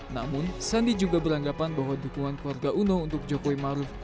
namun sandi juga beranggapan bahwa dukungan keluarga uno untuk jokowi maruf